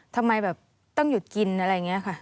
ทำไมแบบต้องหยุดกินอะไรอย่างนี้ค่ะ